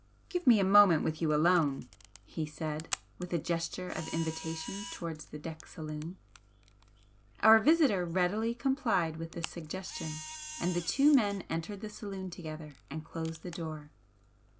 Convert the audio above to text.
"Give me a moment with you alone," he said, with a gesture of invitation towards the deck saloon. Our visitor readily complied with this suggestion, and the two men entered the saloon together and closed the door.